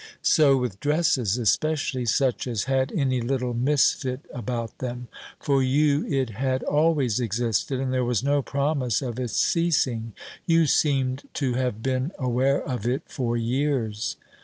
So with dresses, especially such as had any little misfit about them. For you it had always existed, and there was no promise of its ceasing. You seemed to have been aware of it for years.